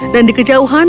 dan di kejauhan